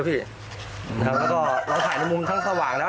แล้วก็เราถ่ายในมุมทั้งสว่างแล้ว